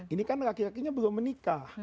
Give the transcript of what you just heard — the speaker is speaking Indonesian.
ini kan laki lakinya belum menikah